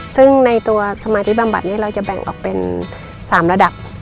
ซึ่งในตัวสมาธิบำบัดนี้เราจะแบ่งออกเป็น๓ระดับ